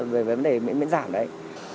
về vấn đề miễn giảm đấy